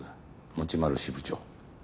持丸支部長。